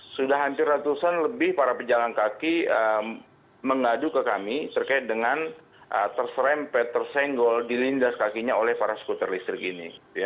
sudah hampir ratusan lebih para pejalan kaki mengadu ke kami terkait dengan terserempet tersenggol dilindas kakinya oleh para skuter listrik ini